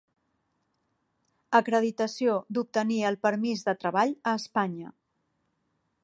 Acreditació d'obtenir el permís de treball a Espanya.